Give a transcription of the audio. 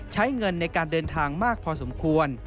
ใช้เงินในการเดินทางมากพอสมควร